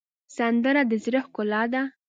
سندره د زړه ښکلا ده